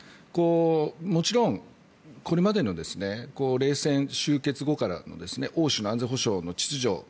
もちろんこれまでの冷戦終結後からの欧州の安全保障の秩序